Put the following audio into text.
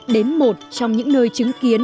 đến một trong những nơi chứng kiến